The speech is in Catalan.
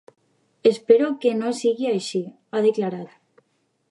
“Espero que no sigui així”, ha declarat.